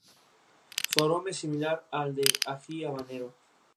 Su aroma es similar al del ají habanero.